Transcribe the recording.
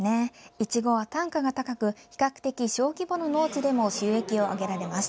いちごは単価が高く比較的小規模の農地でも収益を上げられます。